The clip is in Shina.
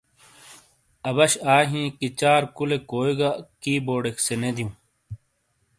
اَبَش آ ہِین کہ چار کُولے کوئی گا کی بورڈیک سے نے دیوں۔